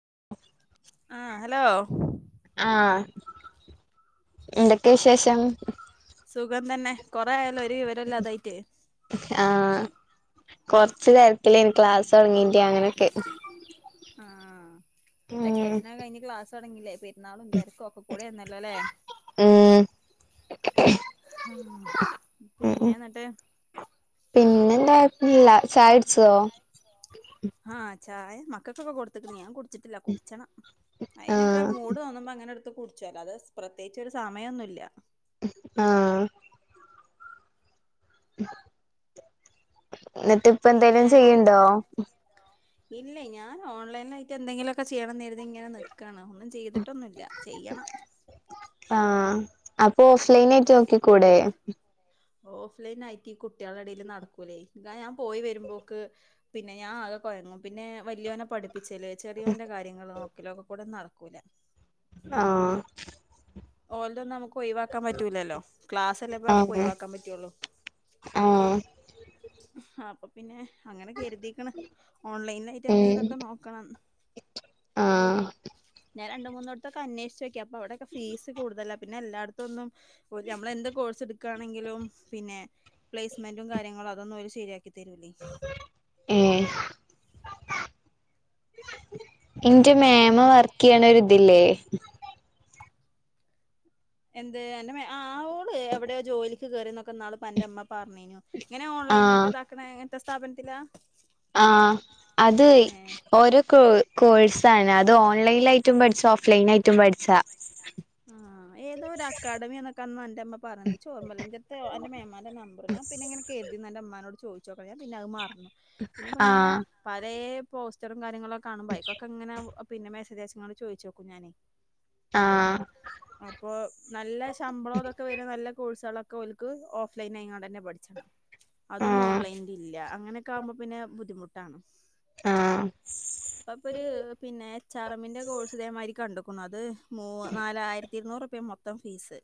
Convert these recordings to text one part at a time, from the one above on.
[inaudible] ആ ഹലോ ആ എന്തൊക്കെയ വിശേഷം സുഖം തന്നെ കൊറെ ആയാലോ ഒരു വിവരല്ല അതായിട്ടേ ആഹ് കൊറച്ച് രത്തില്ലേനി ക്ലാസ് തുടങ്ങീന്റെ അങ്ങനെയൊക്കെ ആ പറ്റിയച്ഛന കഴിഞ്ഞ ക്ലാസ് തുടങ്ങില്ലേ പെരുന്നാളും ഇന്തരക്കും ഒക്കെ കൂടെയ എന്നല്ലോല്ലേ ആഏ ആ പിന്നെ ഉം എന്നിട്ട് ഇല്ല സൈഡ് ആഹ് ചായ മക്കക്കൊക്കെ കൊടുത്തക്കണ ടു കുടിച്ചണം അതിനൊക്കെ ആഹ് മൂട് തോന്നുമ്പോ അങ്ങനെ കുടിച്ചാല അത് പ്രത്യേകിച്ച് ഒരു സമയമൊന്നുമല്ല ആ എന്നിട്ട് ഇപ്പ എന്തെലും പിന്നെ ചെയ്യണ്ടോ ഇല്ല ഞാൻ ഓൺലൈന ആായിട്ട് എന്തെങ്കിലൊക്കെ ചെയ്യണം അതിങ്ങനെ നക്കണം ഒന്നും ചെയ്തിട്ടൊന്നുമല്ല ചെയ്യണം ആഹ് അപ്പൊ ഓഫ്ലൈൻ ആയിട്ട് നോക്കിക്കൂടെ ഓഫ്ലൈൻ ആയിട്ട് കുട്ടികളുടെ ഇടയിൽ നടക്കൂലേ ഇ ഞാൻ പോയി വരുമ്പോക്ക് പിന്നെ ഞാൻ ആകെ പിന്നെ വലിയവനെ പഠിപ്പിച്ചല് ചെറിയോന്റെ കാര്യങ്ങൾ നോക്കലോ ഒക്കെ കൂടെ നടക്കൂല ആ ഓലന്നും നമുക്ക് ഒഴിവാക്കാൻ പറ്റൂില്ലല്ലോ ക്ലാസ്ല്ലപ്പോ നമുക്ക് ആഹ് ഒഴിവാക്കാൻ പറ്റുള്ളു ആഹ് ആ അപ്പൊ പിന്നെ അങ്ങനെ കരുതിക്കണ ഓൺലൈനിലായിട്ട് ഉം എന്തെങ്കിലുംക്കെ നോക്കണം ആഹ് ഞാ രണ്ട മൂന്നടത്തൊക്കെ അന്വേഷച്ച്ക്കി അപ്പോ അവിടെൊക്കെ ഫീസ് കടുതലല്ല പിന്ന എല്ലായിടത്തൊന്നും നമ്മള എന്താ കോഴ്സ് എടു ആണെങ്കിലും പിന്നെ പ്ലേസ്മെന്റും കാര്യങ്ങളും അതൊന്നും ശരിയാക്കി തരൂലേ ഏ എന്റെ അപ്പൊ മേമ വർക്ക് ചെയ്യണൊരി ഇതില്ലേ എന്ത് അന്റെ ഓള് എവിടെയോ ജോലിക്ക് കേറിന്നൊക്കെ നാള എന്റെ അമ്മ പറഞ്ഞേനു ഇങ്ങനെ ഓൺലൈന ഒക്കെ ഇതാക്കുന്ന ഇങ്ങനത്തെ സ്ഥാപനത്തിലാ ആ അത് ഏ ഓരോ കോ കോഴ്സ് അത് ഓൺലൈന ആയിട്ടും പഠിച്ച ഓഫ്ലൈന ആയിട്ടും പഠിച്ച ആഹ് ഏതോ ഒരു അക്കാഡമി എന്നൊക്കെ അന്ന് എന്റെ അമ്മ പറഞ്ഞ് ചോർമലൻജത്തെയോ എന്റെ മേമാടെ നമ്പർ ഞാൻ പിന്നെ ഇങ്ങനെ കേ എന്റെ അമ്മാനോട് ചോദിച്ചോക്കാം പിന്നെ അത് മറുന്നു പിന്നെ ഇപ്പം ഇങ്ങനെ ആഹ് പലേ പോസ്റ്ററും കാര്യങ്ങളൊക്കെ കാണുമ്പം ഇപ്പൊക്കെ എങ്ങനെ പിന്നെ മെസ്സേജ് അയച്ചിങ്ങനെ ചോദിച്ചോക്കും ഞാനേ ആഹ് ആ അപ്പൊ നല്ല ശമ്പളം ഇതൊക്കെ വരുന്ന നല്ല ഇതുള്ള കോഴ്സൊള്ള ഓൽക്ക് ഓഫ്‌ലൈൻ എങ്ങാണ്ട് തന്നെ പഠിച്ചത് അതൊന്നും ആഹ് ഓൺലൈനി ഇല്ല അങ്ങനൊക്കെ ആകുമ്പോ പിന്നെ ബുദ്ധിമുട്ടാ ആഹ് അപ്പം ഒര് പിന്നെ എച്ച് ആർ എമ്മിന്റെ കോഴ്സ് ഇതേമാതിരി കണ്ടു അത് മൂ നാലായിരത്തി ഇരുന്നൂറ് റുപ്പിയാ മൊത്തം ഫീസ്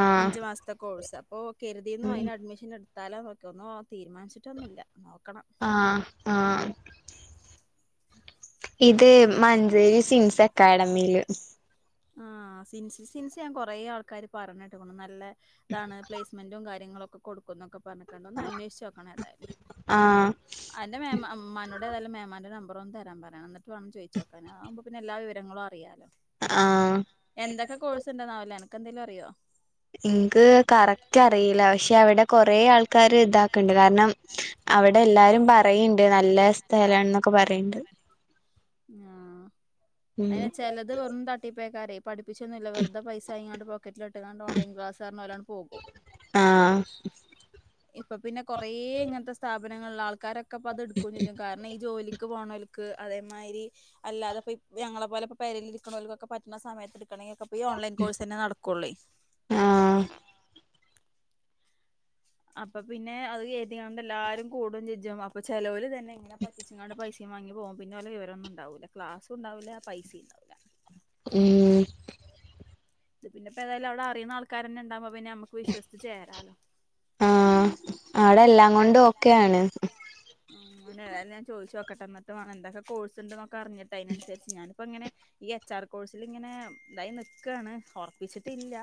ആഹ് അഞ്ചു മാസത്തെ കോഴ്സ് അപ്പോ കെരുതീന്നു അതിന് അഡ്മിഷൻ എടു എടുത്താലോന്നൊക്കെ ഒന്നും തീരുമാനിച്ചിട്ടൊന്നുമില്ല നോക്കണം ആ ആ ഇത് മഞ്ചേരി സിൻസ് അക്കാഡമിയില് ആ സൻ സിൻസ് ഞാൻ കൊറേ ആൾക്കാര് പറഞ്ഞിട്ട് നല്ല ഇതാണ് പ്ലേസ്മെന്റും കാര്യ കാര്യങ്ങളൊക്കെ കൊടുക്കുന്നൊക്കെ പറഞ്ഞിക്കണ്ട് ഒന്ന് അന്വേഷിച്ച് നോക്കണം എന്തായാലും ആഹ് അന്റെ മേമ മാമനോട്‌ ഏതായാലും മേമാന്റെ നമ്പ അറം തരാൻ പറയാൻ എന്നിട്ട്ണം ചോദിച്ചോക്കാ ആമ്പ പിന്നെ എല്ലാ വിവരങ്ങളും അറി യാലോ ആഹ് എന്തൊക്കെ കോഴ്സ് ഉണ്ടെന്നാവില്ല എനക്ക് എന്തേലും അറിയോ ഇൻക്ക് കറക്റ്റ് അറിയില്ല പക്ഷെ അവിടെ കൊറേ ആൾക്കാര് ഇതാക്കണ്ട് കാരണം അവിടെ എല്ലാരും പറയണ്ട് നല്ല സ്ഥലാണ് എന്നൊക്കെ പറയണ്ട് ആ അതിന് ചെലത് വെറും തട്ടിപ്പേയക്കാരെ പഠിപ്പിച്ചൊന്നുവില്ല വെറുതെ പൈസ ആയങ്ങാണ്ടെ പോക്കറ്റില് ഇട്ട്ങ്ങാണ്ട് ഓൺലൈൻ ക്ലാസാന്ന് കാരണം ഓലങ്ങ് പോകും ആ ഇപ്പം പിന്നെ കുറേ ഇങ്ങനത്തെ സ്ഥാപനങ്ങളിലള ആൾക്കാരൊക്കെ ഇപ്പൊ അത് എടുക്കുവേം ചെയ്യും കാരണം ഈ ജോലി ക്ക് പോണവല്ക്ക് അതേമാതിരി അല്ലാതെ ഇ ഞങ്ങളെ പോലെ ഇപ്പം പെരേലിരിക്കുന്നവലക്കൊക്കെ പറ്റുന്ന സമയത്ത് കെണെ ഒക്കെ പോയി ഈ ഓൺലൈൻ കോഴ്സ് തന്നെ നടക്കൊള്ളേ ആഹ് അപ്പം പിന്നെ അത് എഴുതിയോണ്ട് എല്ലാരും കൂടും ചെ ജും അപ്പൊ ചെലവൽ തന്നെ ഇങ്ങനെ പറ്റിച്ചിങ്ങാണ്ട് പൈസ വാങ്ങി പോവും പിന്നെ ഓലെ വിവരൊന്നും ഉണ്ടാവൂല്ല ക്ലാസും ഉണ്ടാവില്ല പൈസയും ഉണ്ടാവില്ല ഉം ഇത് പിന്നിപ്പോ ഏതായാലും അവിടെ അറിയുന്ന ആൾക്കാരന്നെ ഉണ്ടാകുമ്പം പിന്നെ നമ്മുക്ക് വിശ്വസിച്ച് ചേരാലോ ആഹ് അവിടെ എല്ലാം കൊണ്ടും ഓക്കെ ആണ് ഞാൻ ചോദിച്ചു നോക്കട്ടെ എന്നിട്ട് എന്തൊക്കെ കോഴ്സ് ഇണ്ടെന്നൊക്കെ അറിഞ്ഞിട്ട് അതിനനുസരിച്ച് ഞാന് ഇപ്പം ഇങ്ങനെ ഈ എച്ച് ആർ കോഴ്സിൽ ഇങ്ങനെ ഇതായി നിക്കയാണ് ഉറപ്പിച്ചിട്ടില്ല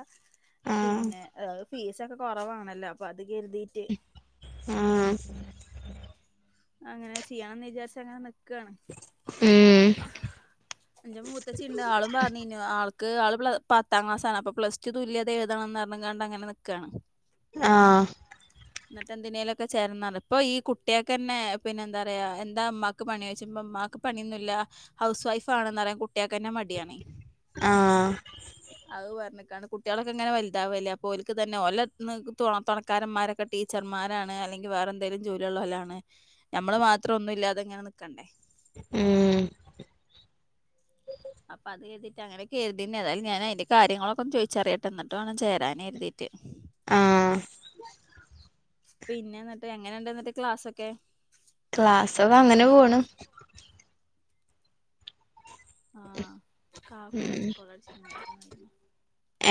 ആഹ് പിന്നെ ഫീസൊക്കെ കുറവാണല്ലോ അപ്പൊ അത് കരുതീട്ട് ആ അങ്ങനെ ചെയ്യാന്ന് വിചാരിച്ച് അങ്ങനെ നി നിക്കാണ് ഉം എന്റെ മൂത്ത ചിണ്ട് ആളും പറഞ്ഞീനു ആൾ ക്ക് ആള് പ്ല പത്താം ക്ലാസാണ് അപ്പ പ്ലസ് ടു തുല്യതെഴുതണംന്നർഞ്ഞിങ്ങാണ്ട് അങ്ങനെ നിക്കാണ് ആഹ് ഇന്നിട്ട് എന്തിനേലൊക്കെ ചേരണംന്നർഞ് ഇപ്പൊ ഈ കു ട്ട്യാക്കെന്നെ പിന്നെന്താറയാ എന്താ ഇമ്മാക്ക് പണീ ഓയ്ച്ച്മ്പം ഇമ്മാക്ക് പണിന്നുല്ല ഹൗസ് വൈഫാണിന്ന്റയാ കു ട്ട്യാക്കെന്നെ മടിയാണേ ആഹ് അത് പറഞ്ഞിക്കാണ് കുട്ട്യാളൊക്കെങ്ങനെ വൽതാവല്ലേ അപ്പോ ഓൽക്കിതന്നെ ഓലെ തൊണ തൊണക്കാരമ്മാരൊക്കെ ടീച്ചർമാ മാരാണ് അല്ലെങ്കി വേറെന്തേലും ജോലിള്ളോലാണ് ഞമ്മള് മാത്രം ഒന്നുല്ലാതെങ്ങനെ നിക്കണ്ടേ ഉം അപ്പത് കെര്തീട്ടങ്ങനെ കെര്തീനി ഏതായാലു ഞാൻ അയ്ന്റെ കാര്യങ്ങളൊക്കെ ചോയ്ച്ചറിയട്ടെ ഇന്നിട്ട് വേണം ചേരാൻ കെര്തീട്ട് ആഹ് എങ്ങനെണ്ടിന്നിട്ട് ക്ലാസൊക്കെ ക്ലാസ്സൊക്കെ അങ്ങനെ പോണ് ആഹ് കാക്കു ഉം മിസ്സ്‌ കോള്ളട്ചീനിം ഇന്നൽത്തെ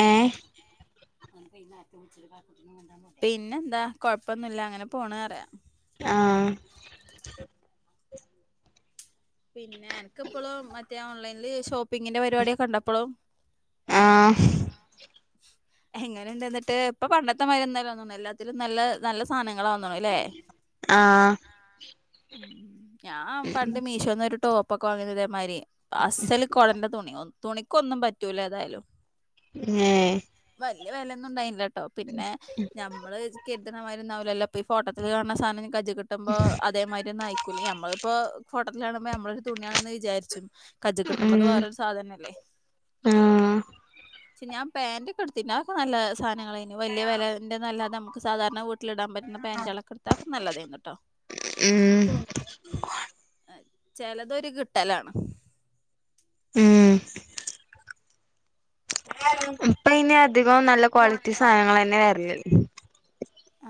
ഏ പോലെ പിന്നെന്താ കൊഴ്പ്പൊന്നുല്ല അങ്ങനെ പോണറിയാ ആഹ് പിന്നെ അൻക്കിപ്പളും മറ്റേ ഓൺലൈൻല് ഷോപ്പിങ്ങിന്റെ പരിപാട്യൊക്കെണ്ടോപ്പളും? ആഹ് എങ്ങനെണ്ടിന്നിട്ട് ഇപ്പൊ പണ്ടത്തെമാര്യൊന്നല്ല തോന്നുഎല്ലാത്തിലും നല്ല നല്ല സാന ങ്ങള ഓന്ന്ണ് ലേ? ആഹ് ഞാൻ പണ്ട് മീഷോന്നൊരു ടോപ്പ ഒക്കെ വാങ്ങിന്നു ഇതേമാരി അസ്സല് കൊടന്റെ തുണി തുണി ക്കൊന്നും പറ്റൂലേതായാലും. ഹേ വെല്ല്യെ വെലൊന്നും ഇണ്ടായില്ലട്ടോ പിന്നെ ഞമ്മള് കെര്ത്ണമാരിയൊന്നു ആ ലല്ലൊ പ്പ ഈ ഫോട്ടത്തിൽ കാണ്ണ സാനഞ്ഞ് കജ്ജ് കിട്ടുമ്പോ അതേമാരി ഒന്നു ആയിക്കൂല്ല ഞമ്മളിപ്പോ ഫോട്ടത്തില് കാണുമ്പൊമ്മളൊരു തുണിയാണിന്ന് വിചാര്ച്ചും. കജ്ജിക്കിട്ടുമ്പോ അത്‌ ഉം വേറരു സാധനല്ലേ ആഹ് ഷെ ഞാൻ പാന്റ് കെട്ത്തിന് അക്കെ നല്ല സാധനങ്ങളയിനു വെല്ല്യെ വെലെന്റെന്നല്ലാതെ അമുക്ക് സാധാരണ വി ട്ലിടാൻ പറ്റുന്ന പാന്റാളൊക്കെട്ത്താ അക്കെ നല്ലതായിന്നു ട്ടോ. ഉം ചെലതൊരു കിട്ടലാണ്. ഉം ഇനി അധികം നല്ല ക്വാളിറ്റി സാനങ്ങളെന്നെ വെരല്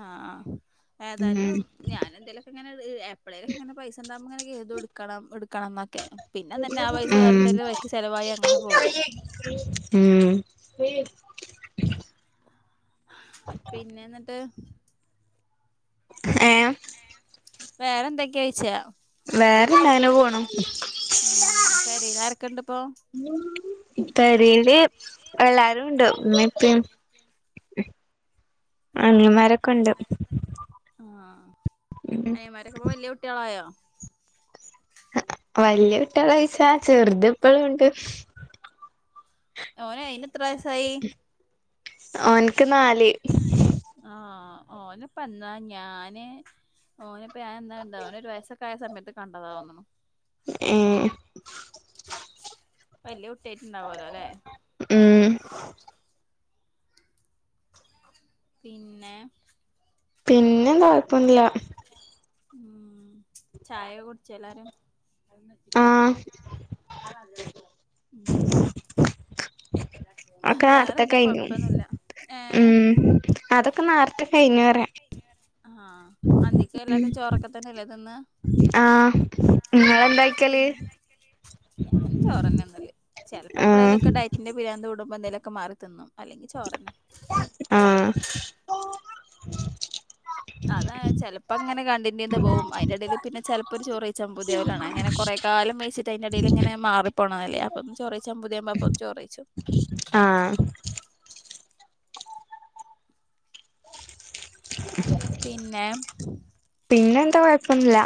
ആഹ് ആ ഏതായാലും ഞാനെന്തേലൊക്കെങ്ങനെ എ പ്ളേലൊക്കെങ്ങനെ പൈസണ്ടാമ്പൊങ്ങനെ കേതും ഇട്ക്കണം ഇട്ക്കണംന്നൊക്കെ പിന്നെതന്നെ ആ പൈസ ഉം വേറെന്തേലും വൈക്ക് ചെലവാ യി അങ്ങനെ പോകും. ഉം പിന്നെന്നിട്ട് ഏ വേറെന്തെക്കേ ഓയ്ച്ചാ വേറെന്താ അങ്ങനെ പോണു ഉം പെരീലാരെക്കെ പെരീല് എള്ളാരുണ്ട് ഇമ്മിപ്പിം അനിയമ്മാര ആ ഉം അനിയന്മാരൊക്കെ ഇപ്പ വെല്ല്യെ കുട്ട്യാളായോ വലിയ കുട്ട്യാളൊയ്ച്ചാ ചെറിത് ഇപ്പളുണ്ട് ഓനയ് അയിനെത്ര വയസായി? ഓൻക്ക് നാല് ആഹ് ഓനിപ്പ എന്താ ഞാന് ഓന് പ്പൊ ഞാനെന്ന് കണ്ടാ ഓനൊരു വയസ്സൊക്ക ആയ സമയത്ത് കണ്ടതാ ഓന്ന്ണു ഏ വലിയ കുട്ട്യിയിട്ടുണ്ടാവൊലോ ലെ? ഉം പിന്നെ പിന്നെന്താ കൊഴപ്പന്നില്ല ഉം ചായ കുടിച്ച എല്ലാരും. ആഹ് [unintelligible] ഒക്കെ നേരത്തെക്കെ വേറെന്താ കൈഞ്ഞു കൊഴപ്പൊന്നുല്ല ഉ ഏഹ് അതൊക്കെ നാറത്തെ കയിഞ്ഞൂയറാ ആ അന്തിക് എല്ലാരുംചോറൊക്കെ തന്നെല്ലേതിന്ന് ആ നിങ്ങെന്തായിക്കല് ഞാൻ ചോറന്ന നിന്നല്ലേ ചിലപ്പോ ആഹ് എപ്പഴെേലുംക്കെ ഡയറ്റിന്റെ പിരിന്ന്ത കൂടുമ്പോ എന്തേലുംക്കെ മാറി തിന്നും. അല്ലെങ്കി ചോറന്നെ ആ [inaudible] അത ചെലപ്പോ അങ്ങനെ കണ്ടിന്റെന്താ പോവും അതിന്റെ ടീൽ പിന്നെ ചെല ഇ ഒരു ചൊറൈയച്ചാൻ പൂ തി ആ കലാണ് അങ്ങനെ കുറെ കാലം വൈച്ചിട്ട് അയിന്റെ എടീൽ ഇങ്ങന മാറ്റപോണംതല്ലേ അപ്പം ചൊറൈ ച പുതിയാ ചോറയിച്ചു. ആ പിന്നെമ് പിന്നെന്താ കൊഴപ്പൊന്ന്ല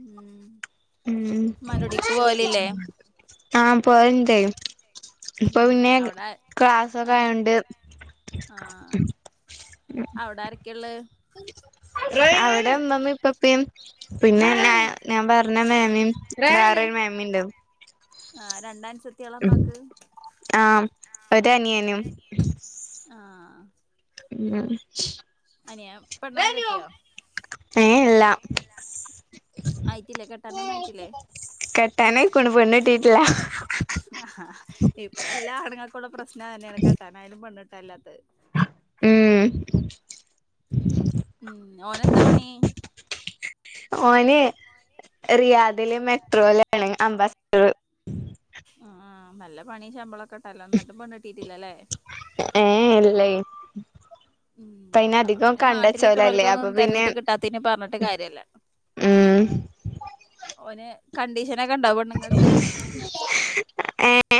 ഉം മ്മാന്റുടീക്ക് പോവലില്ലെ ആഹ് പോവല്ണ്ട് ഇപ്പൊ പിന്നെ ഉം അവിടെ ഏഹ് ക്ലാസൊകായോണ്ട് അവ്ടാരക്കെള്ളെ അവ്ടെ ഇമ്മമ്മെ ഇപ്പപ്പെം പിന്നെ ഞാ ഞാൻ പറഞ്ഞ മേമീം വേറൊരു മേമിം മിണ്ടൊ ആഹ് രണ്ടൻസത്ത്യേളമ്മാക്ക് ആഹ് ഒരനിയനും ആഹ് ഉം വേറെന്ത അനിയാ പെണ്ണൊകെ കെട്ടിയൊ ഏഹ് ഇല്ല ആയിട്ടില്ലെ കെട്ടാനൊന്നും ആയിട്ടില്ലെ കെട്ടാനായിക്ക്ണു പെണ്ണ് കിട്ടിയിട്ടില്ല ആഹ് ഇപ്പെല്ലാ ആണ്ങ്ങൾക്കുള്ള പ്രശ്നതെന്നേണ് കെട്ടാനായാലും പെ കല്ലത്ത് ഏഹ് ഉം ഓനെന്ത പണീ ഓന് റിയാദ്ല് മെട്രോലാണ് അംബാസ്ട്ടറ് ആഹ് നല്ല പണീം ശമ്പളൊക്ക്ണ്ടലോന്ന്ട്ടും പെണ്ണ്ട്ടീട്ടില്ലലെ പ്പയിനതികം പിന്നെ നാട്ടിൽ കണ്ടെച്ചോലല്ലെ അപ്പൊ നിക്കണോൽക്കൊന്നും പിന്നെ തെരഞ്ഞിട്ട് കിട്ടാത്തതിന് പറഞ്ഞിട്ട് കാര്യല്ല ഉം ഓന് കണ്ടീഷനൊക്കെണ്ടോ പെണ്ണ്ങ്ങക് ഏഹ്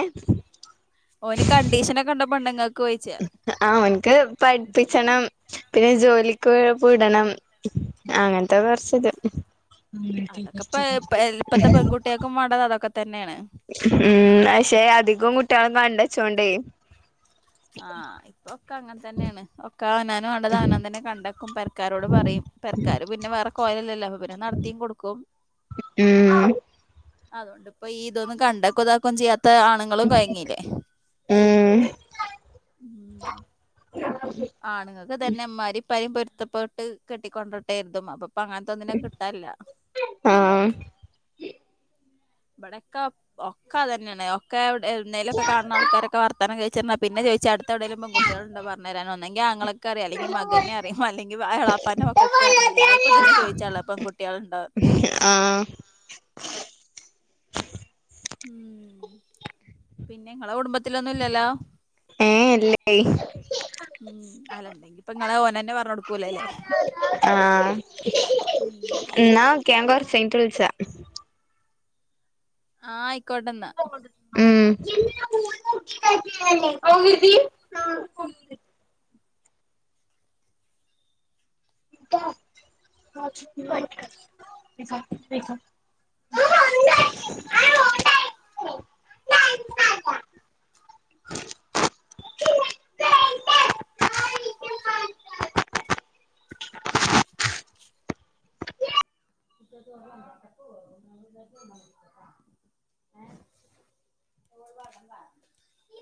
ഓന് കണ്ടീഷനൊക്കെണ്ടൊ പെണ്ണ്ങ്ങക്കൊയിച്ച ഓന്ക്ക് പഠ്പ്പിച്ചണം പിന്നെ ജോലിക്ക് വിടണം അങ്ങൻത്തെ കൊറച്ചിത് ഉം, അങ്ങൻത്തെ അതൊക്കെ ഇപ്പ കൊറ്ച്ച് ഇപ്പ- ഇപ്പത്തെ പെൺകുട്ടികൾക്കും വേണ്ടത് അതൊക്കെ തന്നെയാണ് ഉം പഷേ അധികം കുട്ടീള് കണ്ടച്ചോണ്ടെ ആഹ് ഇപ്പൊക്കങ്ങൻ തന്നേണ് ഒക്കെ അവനാന് വേണ്ടത് അവനാൻ തന്നെ കണ്ടക്കും പെരക്കാരോട് പറയും പെരക്കാര് പിന്നെ വേറെ കോലല്ലലൊ അപ പിന്നെ നടത്തി കൊടുക്കും ഉം അതോണ്ട് ഇപ്പൊ ഈ ഇതൊന്നും കണ്ടക്കുതാക്കും ചെയ്യാത്ത ആണുങ്ങളും കൊയങ്ങീല്ലെ ഉം ആണുങ്ങക്ക് ഇതന്നെമ്മാരി ഇപ്പാരെം പൊരുത്തപ്പെട്ട് കെട്ടിക്കൊണ്ടട്ടര്ട്ടേർതും അപ്പൊ ഇപ്പങ്ങൻത്തൊന്നിനെ കിട്ടാല്ല ആഹ് ഇബടെക്കൊ ഒക്കെ അതന്നേണ് ഒക്കെ എന്തേന്നേലൊക്കെ കാണ്ണ ആൾക്കാരൊക്കെ വർത്താനംചൊയ്ച്ചെന്ന പിന്നെ ചൊയ്ച്ച അട്ത്തെവ്ടേലും പെൺകുട്ടീളുണ്ടൊ പറഞെരാന് ഒന്നെങ്കി ആങ്ങളക് ഒക്കെ അറിയ അല്ലെങ്കി മകന് അറിയ അല്ലെങ്കി എളാപ്പാന്റെ മകക്ക്റിഞ എല്ലാർക്കുതെന്നെ ചൊയ്ച്ചാള്ളത് പെൺകുട്ടീള്ണ്ടോ ആഹ് ഉം പിന്നെ ഇങ്ങളെ കുടുംബത്തിലൊന്നുല്ലലോ ഏ ഇല്ലേ ഉം അലണ്ടെങ്കിപ്പ ഇങ്ങളെ ഓനെന്നെ പറഞൊട്ക്കൂലലെ ന്നാ ഓകെ ചെയ്ന്ന്ട്ട് വുള്ച്ച ആയ് ഉം [inaudible]